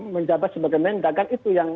menjabat sebagai mendag kan itu yang